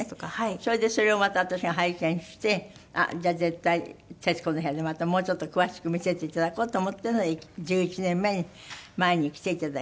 それでそれをまた私が拝見してじゃあ絶対『徹子の部屋』でまたもうちょっと詳しく見せていただこうと思って１１年前に来ていただいたんですけど。